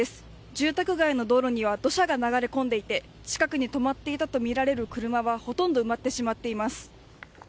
住宅街の道路には土砂が流れ込んでいて、近くに止まっていたと見られる車はほとんど埋まってしまっています。